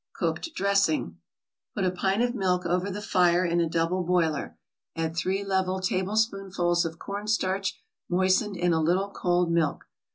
COOKED DRESSING Put a pint of milk over the fire in a double boiler, add three level tablespoonfuls of cornstarch moistened in a little cold milk.